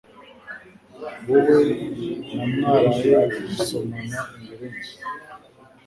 Wowe na mwaraye musomana imbere yinzu?